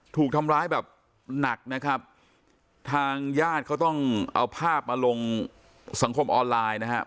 ถูกทำร้ายแบบหนักนะครับทางญาติเขาต้องเอาภาพมาลงสังคมออนไลน์นะครับ